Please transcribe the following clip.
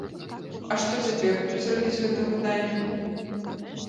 А што цяпер будуць рабіць з гэтым выданнем?